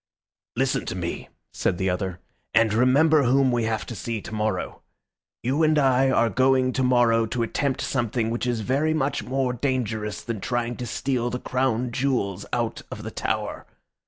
"Listen to me," said the other, "and remember whom we have to see tomorrow. You and I are going tomorrow to attempt something which is very much more dangerous than trying to steal the Crown Jewels out of the Tower.